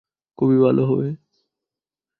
খুবই ভালো হবে।